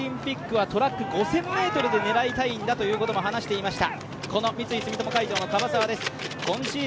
パリオリンピックはトラック、５０００ｍを狙いたいんだということを話していました